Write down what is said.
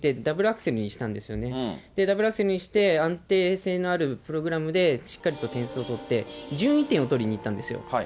ダブルアクセルにして、安定性のあるプログラムでしっかりと点数を取って、順位点を取りにいったんですよ。